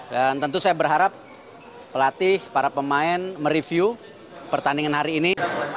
dan tentu saya berharap pelatih para pemain mereview pertandingan hari ini